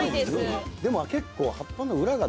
でも結構。